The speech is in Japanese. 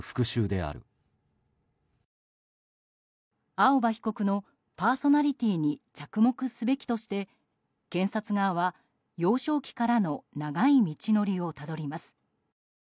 青葉被告のパーソナリティーに着目すべきとして検察側は、幼少期からの長い道のりをたどります。